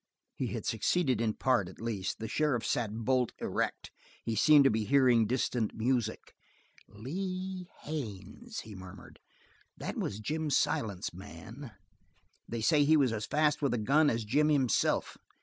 He had succeeded in part, at least. The sheriff sat bolt erect; he seemed to be hearing distant music. "Lee Haines!" he murmured. "That was Jim Silent's man. They say he was as fast with a gun as Jim himself."